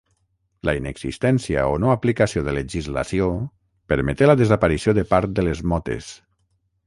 La inexistència o no aplicació de legislació permeté la desaparició de part de les motes.